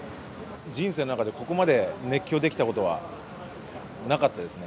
人生の中でここまで熱狂できたことはなかったですね。